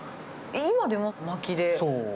今でもまきで？